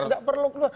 nggak perlu keluar